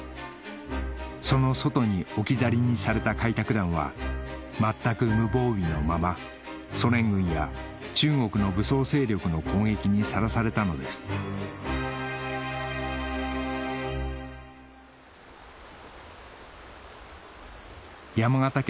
その外に置き去りにされた開拓団は全く無防備のままソ連軍や中国の武装勢力の攻撃にさらされたのです山形県